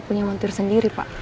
punya montir sendiri pak